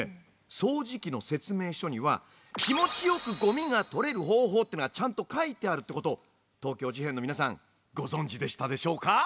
掃除機の説明書には気持ちよくゴミが取れる方法っていうのがちゃんと書いてあるってことを東京事変の皆さんご存じでしたでしょうか？